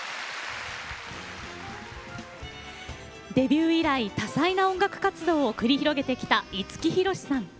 デビュー以来多彩な音楽活動を繰り広げてきた五木ひろしさん。